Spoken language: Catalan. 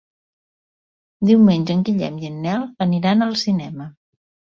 Diumenge en Guillem i en Nel aniran al cinema.